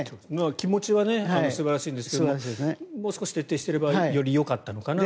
気持ちは素晴らしいんですけどももう少し徹底していればよりよかったのかなと。